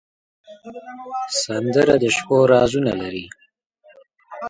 سندره د شپو رازونه لري